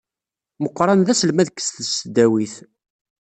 Moqran d aselmad deg tesdawt.